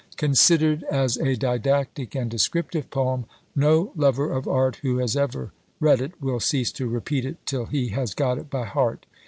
Considered as a didactic and descriptive poem, no lover of art who has ever read it, will cease to repeat it till he has got it by heart.